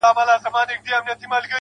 مور مي خپه ده ها ده ژاړي راته~